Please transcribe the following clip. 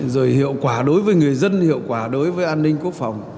rồi hiệu quả đối với người dân hiệu quả đối với an ninh quốc phòng